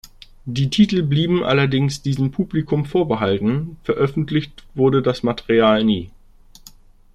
Die Titel blieben allerdings diesem Publikum vorbehalten, veröffentlicht wurde das Material nie.